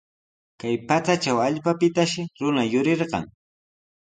Kay pachatraw allpapitashi runa yurirqan.